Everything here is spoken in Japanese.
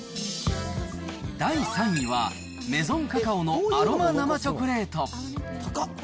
第３位はメゾンカカオのアロマ生チョコレート。